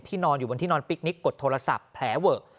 ที่นอนอยู่บนที่นอนพิกนิกกดโทรศัพท์แผลเวิร์ก